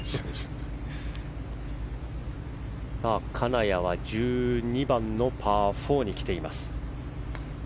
金谷は１２番のパー４に来ています。